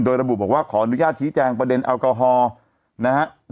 โดยระบุบอกว่าขออนุญาตชี้แจงประเด็นแอลกอฮอล์นะฮะ